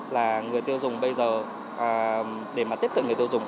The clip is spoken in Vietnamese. là người tiêu dùng bây giờ để mà tiếp cận người tiêu dùng